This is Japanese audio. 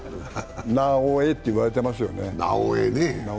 「なおエ」と言われていますよね。